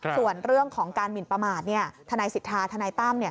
ส่วนเรื่องของการหมินประมาทนายสิทธาทนายตั้ม